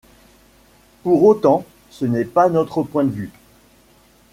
Pour autant, ce n’est pas notre point de vue.